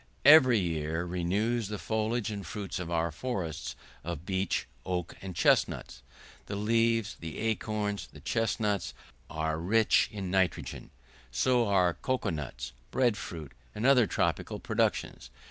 Every year renews the foliage and fruits of our forests of beech, oak, and chesnuts; the leaves, the acorns, the chesnuts, are rich in nitrogen; so are cocoa nuts, bread fruit, and other tropical productions.